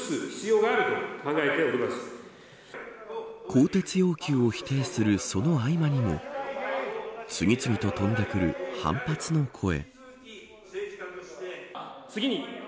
更迭要求を否定するその合間にも次々と飛んでくる反発の声。